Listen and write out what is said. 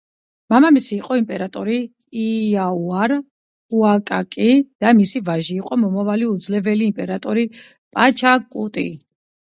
მამამის იყო იმპერატორი იაუარ უაკაკი და მისი ვაჟი იყო მომავალი უძლეველი იმპერატორი პაჩაკუტი.